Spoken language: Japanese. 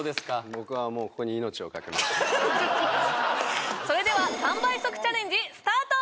僕はもうそれでは３倍速チャレンジスタート！